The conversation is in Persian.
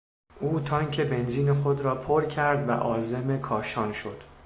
او تانک بنزین خود را پر کرد و عازم کاشان شد.